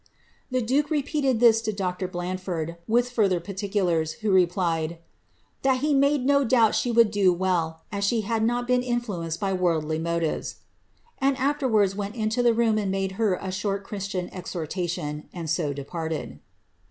'^ The duke repeated this to Dr. Blanford, with further particulars, who replied^ ^tliat he made no doubt she would do well, as she had not been influenced by worldly motives ;'' and afterwards went into the room and made her a short Christian exhortation, and so departed.'